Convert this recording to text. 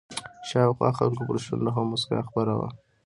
شاوخوا خلکو پر شونډو هم مسکا خپره وه.